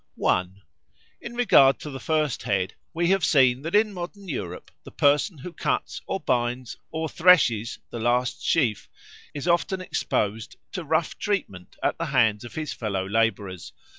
I. In regard to the first head, we have seen that in modern Europe the person who cuts or binds or threshes the last sheaf is often exposed to rough treatment at the hands of his fellow labourers.